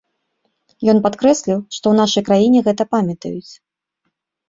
Ён падкрэсліў, што ў нашай краіне гэта памятаюць.